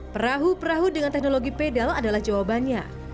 perahu perahu dengan teknologi pedal adalah jawabannya